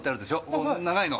こう長いの。